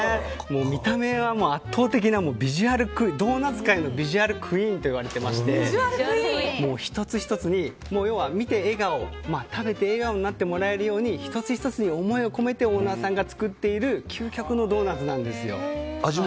見た目は圧倒的なビジュアルドーナツ界のビジュアルクイーンといわれていまして１つ１つに要は見て笑顔、食べて笑顔になってもらえるように１つ１つに思いを込めてオーナーさんが作っている究極のドーナツなんです。